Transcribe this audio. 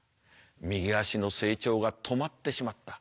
右足の成長が止まってしまった。